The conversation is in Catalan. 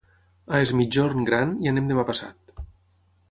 A Es Migjorn Gran hi anem demà passat.